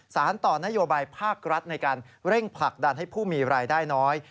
สารต่อนโยบายภาครัฐในการเร่งผลักดันให้ผู้มีรายได้น้อย